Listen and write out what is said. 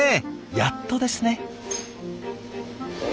やっとですね。